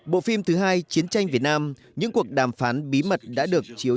bộ phim thứ hai chiến tranh việt nam những cuộc đàm phán bí mật đã được chiếu